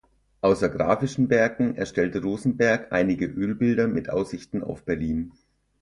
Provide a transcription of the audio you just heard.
Außer graphischen Werken erstellte Rosenberg einige Ölbilder mit Aussichten auf Berlin.